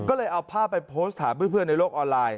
ก็เลยเอาภาพไปโพสต์ถามเพื่อนในโลกออนไลน์